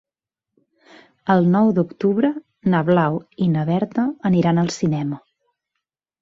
El nou d'octubre na Blau i na Berta aniran al cinema.